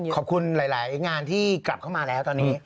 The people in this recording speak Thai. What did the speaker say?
ขอบคุณหลายงานที่กลับเข้ามาแล้วตอนนี้